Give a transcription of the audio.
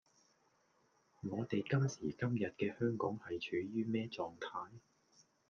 我哋今時今日嘅香港係處於咩狀態?